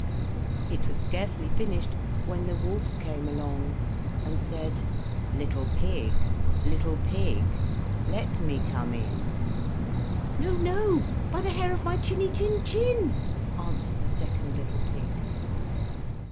It was scarcely finished when the wolf came along, and said: "Little pig, little pig, let me come in." "No, no, by the hair of my chinny chin chin," answered the second little pig.